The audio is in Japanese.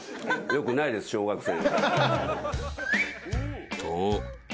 よくないです小学生。